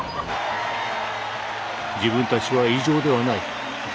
自分たちは異常ではない。